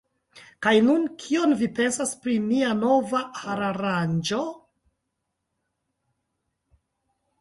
Kaj nun, kion vi pensas pri mia nova hararanĝo?